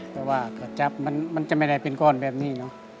แต่ว่าก็จับมันจะไม่ได้เป็นก้อนแบบนี้เนอะ